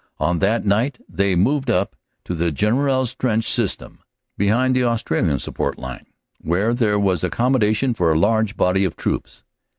On that night they moved up into the Gentelles trench system, behind the Australian support line, where there was accommodation for a large body of troops.